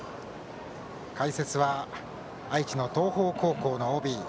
解説は愛知の東邦高校のＯＢＪＲ